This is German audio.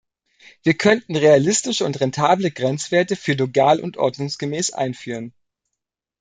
Wir könnten realistische und rentable Grenzwerte für "legal und ordnungsgemäß" einführen.